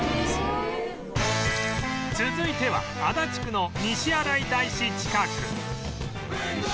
続いては足立区の西新井大師近く